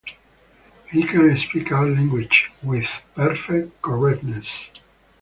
He can speak our language with perfect correctness.